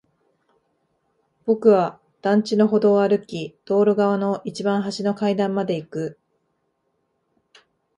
僕は団地の歩道を歩き、道路側の一番端の階段まで行く。